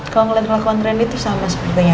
kalau melihat kelakuan rani itu sama sepertinya